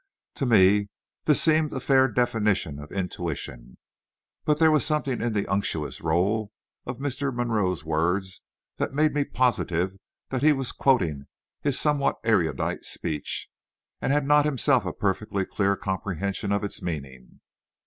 To me this seemed a fair definition of intuition, but there was something in the unctuous roll of Mr. Monroe's words that made me positive he was quoting his somewhat erudite speech, and had not himself a perfectly clear comprehension of its meaning.